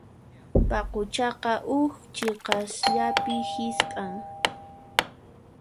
Paquchaqa huk chiqasllapi hisp'an.